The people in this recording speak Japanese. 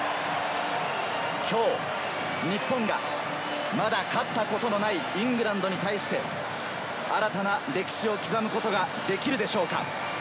きょう日本がまだ勝ったことのないイングランドに対して、新たな歴史を刻むことができるでしょうか。